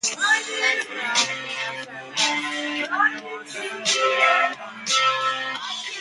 This will be a surface except along a single line.